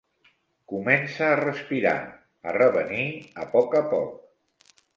Comença a respirar, a revenir a poc a poc.